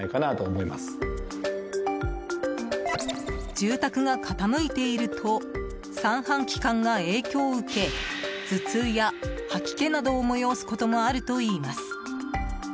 住宅が傾いていると三半規管が影響を受け頭痛や、吐き気などを催すこともあるといいます。